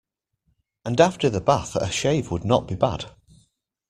And after the bath a shave would not be bad.